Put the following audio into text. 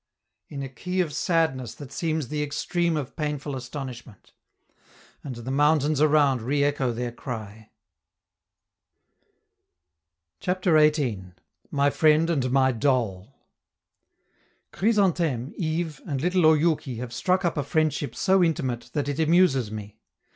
in a key of sadness that seems the extreme of painful astonishment. And the mountains around reecho their cry. CHAPTER XVIII. MY FRIEND AND MY DOLL Chrysantheme, Yves, and little Oyouki have struck up a friendship so intimate that it amuses me.